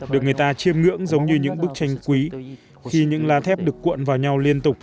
được người ta chiêm ngưỡng giống như những bức tranh quý